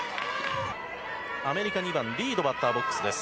アメリカ２番リード、バッターボックスです。